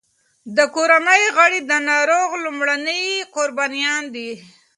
د کورنۍ غړي د ناروغ لومړني قربانیان دي.